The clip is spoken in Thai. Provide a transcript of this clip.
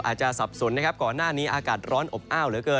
อาจจะสับสนก่อนหน้านี้อากาศร้อนอบอ้าว